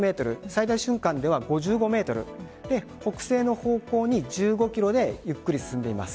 最大瞬間では５５メートル北西の方向に１５キロでゆっくり進んでいます。